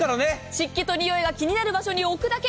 湿気とにおいが気になる場所に入れるだけ。